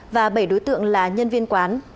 và bảy đối tượng là nhân viên quán